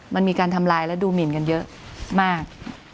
มันมีการทำลายและดูหมินกันเยอะมาก